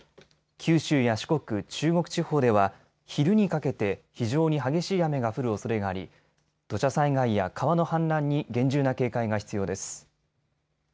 九州や四国、中国地方では昼にかけて非常に激しい雨が降るおそれがあり土砂災害や川の氾濫に厳重な警戒が必要です。